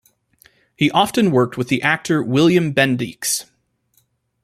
He often worked with the actor William Bendix.